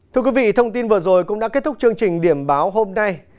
thưa quý vị thông tin vừa rồi cũng đã kết thúc chương trình điểm báo hôm nay